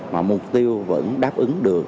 mà mục tiêu vẫn đáp ứng được